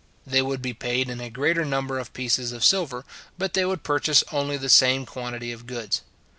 They would be paid in a greater number of pieces of silver, but they would purchase only the same quantity of goods.